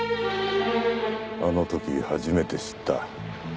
あの時初めて知った。